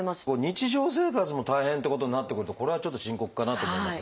日常生活も大変っていうことになってくるとこれはちょっと深刻かなと思いますが。